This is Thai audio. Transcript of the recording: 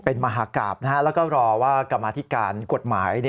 เป็นมหากราบแล้วก็รอว่ากรรมาธิการกฎหมาย